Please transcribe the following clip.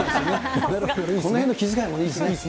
このへんの気遣いもいいですね。